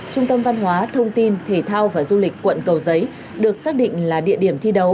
trung tâm văn hóa thông tin thể thao và du lịch quận cầu giấy được xác định là địa điểm thi đấu